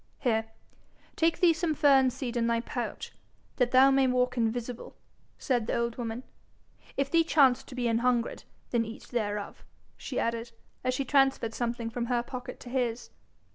'Here, take thee some fern seed in thy pouch, that thou may walk invisible,' said the old woman. 'If thee chance to be an hungred, then eat thereof,' she added, as she transferred something from her pocket to his.